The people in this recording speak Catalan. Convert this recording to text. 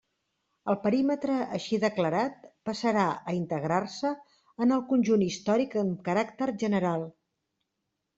El perímetre així declarat passarà a integrar-se en el conjunt històric amb caràcter general.